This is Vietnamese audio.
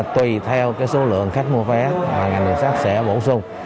tùy theo số lượng khách mua vé ngành đường sát sẽ bổ sung